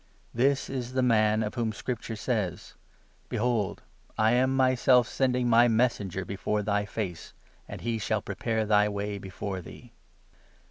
This is the man of whom 10 Scripture says —' Behold, I am myself sending my Messenger before thy face, And he shall prepare thy way before thee.'